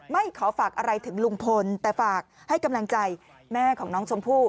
ไม่ขอฝากอะไรถึงลุงพลแต่ฝากให้กำลังใจแม่ของน้องชมพู่